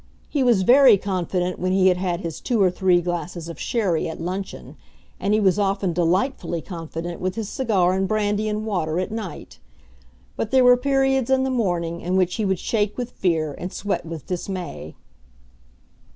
He was very confident when he had had his two or three glasses of sherry at luncheon, and he was often delightfully confident with his cigar and brandy and water at night. But there were periods in the morning in which he would shake with fear and sweat with dismay.